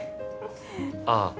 ああ。